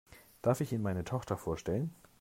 Darf ich Ihnen meine Tochter vorstellen?